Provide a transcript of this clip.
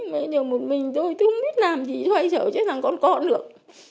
một mình tôi thì không biết làm gì tôi hay sợ chết thằng con con được